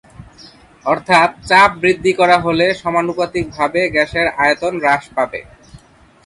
অর্থাৎ, চাপ বৃদ্ধি করা হলে সমানুপাতিক ভাবে গ্যাসের আয়তন হ্রাস পাবে।